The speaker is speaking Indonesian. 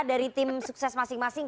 dari tim sukses masing masing